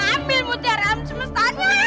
ambil mutiar alam semestanya